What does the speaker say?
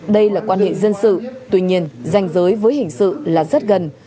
đây là quan hệ dân sự tuy nhiên danh giới với hình sự là rất gần